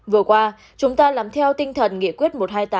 vừa qua chúng ta làm theo tinh thần nghị quyết một trăm hai mươi tám